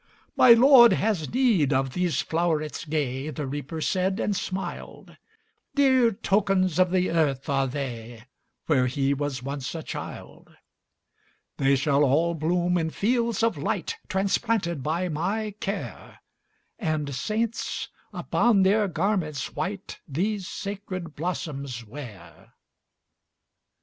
``My Lord has need of these flowerets gay,'' The Reaper said, and smiled; ``Dear tokens of the earth are they, Where he was once a child. ``They shall all bloom in fields of light, Transplanted by my care, And saints, upon their garments white, These sacred blossoms wear.''